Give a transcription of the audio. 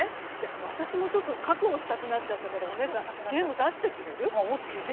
私もちょっと確保したくなっちゃったからお姉さん、ゲーム出してくれる。